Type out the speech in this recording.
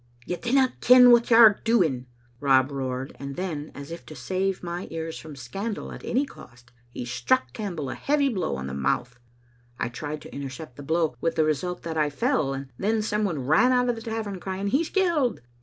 *You dinna ken what j^ou're doing,' Rob roared, and then, as if to save my ears from scandal at any cost, he struck Campbell a heavy blow on the mouth. I tried to intercept the blow, with the result that I fell, and then some one ran out of the tavern crying, *He*s killed!